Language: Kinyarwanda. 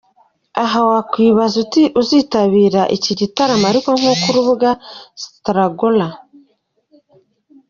Aha wakwibaza uzitabira iki gitaramo, ariko nk’uko urubuga staragora.